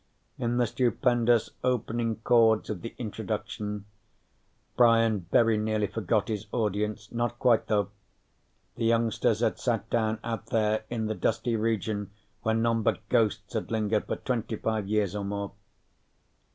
In the stupendous opening chords of the introduction, Brian very nearly forgot his audience. Not quite, though. The youngsters had sat down out there in the dusty region where none but ghosts had lingered for twenty five years or more.